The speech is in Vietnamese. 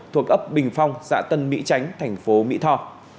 thuộc ấp bình phong xã tân mỹ chánh thành phố mỹ tho